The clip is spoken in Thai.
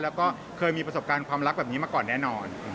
แล้วก็เคยมีประสบการณ์ความรักแบบนี้มาก่อนแน่นอน